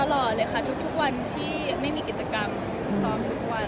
ตลอดเลยค่ะทุกวันที่ไม่มีกิจกรรมซ้อมทุกวัน